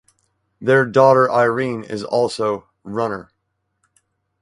Their daughter Irene is also runner.